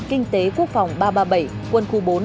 kinh tế quốc phòng ba trăm ba mươi bảy quân khu bốn